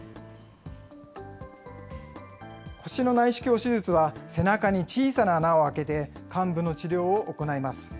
腰の内視鏡手術は、背中に小さな穴を開けて、患部の治療を行います。